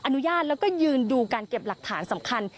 อนุญาตแล้วก็ยืนดูการเก็บหลักฐานสำคัญ